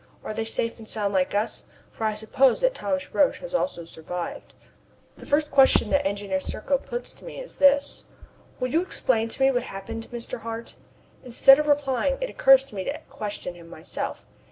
Are they safe and sound like us for I suppose that Thomas Roch has also survived? The first question that Engineer Serko puts to me is this: "Will you explain to me what happened, Mr. Hart?" Instead of replying it occurs to me to question him myself.